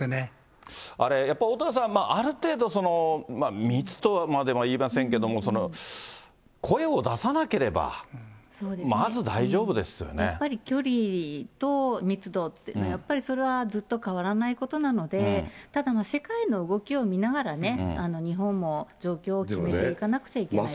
あれ、やっぱりおおたわさん、ある程度、密とまでは言いませんけど、声を出さなければ、まず大やっぱり距離と密度って、やっぱりそれはずっと変わらないことなので、ただ世界の動きを見ながらね、日本も状況を決めていかなくちゃいけない。